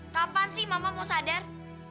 kapan sih mama mau sadar